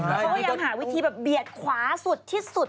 พยายามหาวิธีเบียดขวาสุดที่สุด